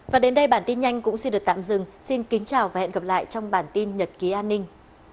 và đến đây bản tin nhanh cũng xin được tạm dừng xin kính chào và hẹn gặp lại trong bản tin nhật ký an ninh